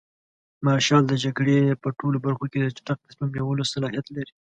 مارشال د جګړې په ټولو برخو کې د چټک تصمیم نیولو صلاحیت لري.